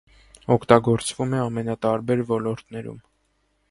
Օգտագործվում է ամենատարբեր ոլորտներում։